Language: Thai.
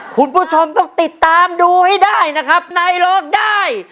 คุณผู้ชมต้องติดตามดูให้ได้นะครับในร้องได้